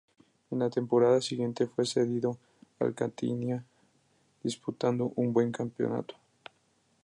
En la temporada siguiente fue cedido al Catania, disputando un buen campeonato.